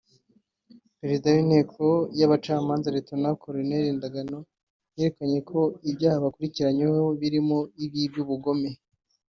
Perezida w’Inteko y’Abacamanza Lt Col Chance Ndagano yerekanye ko ibyaha bakurikiranweho birimo iby’ibyubugome